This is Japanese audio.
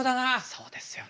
そうですよね。